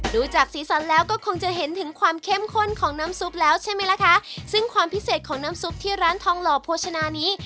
ดูจากสีสันแล้วก็คงจะเห็นถึงความเข้มข้นของน้ำซุปแล้วใช่ไหมล่ะคะซึ่งความพิเศษของน้ำซุปที่ร้านทองหล่อโภชนานี้